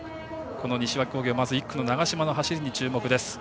西脇工業１区の長嶋の走りに注目です。